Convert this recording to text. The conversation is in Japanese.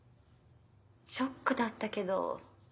ショックだったけど。